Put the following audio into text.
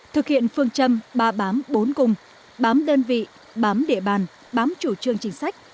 thực hiện phương châm ba bám bốn cùng bám đơn vị bám địa bàn bám chủ trương chính sách